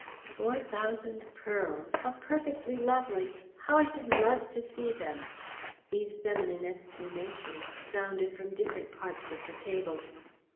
"Four thousand pearls!" "How perfectly lovely!" "How I should love to see them!" These feminine exclamations sounded from different parts of the table.